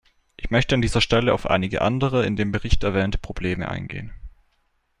Ich möchte an dieser Stelle auf einige andere in dem Bericht erwähnte Probleme eingehen.